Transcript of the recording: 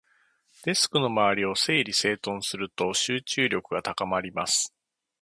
デスクの周りを整理整頓すると、集中力が高まります。